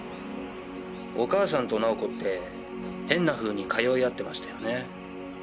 お母さんと奈緒子って変なふうに通い合ってましたよね。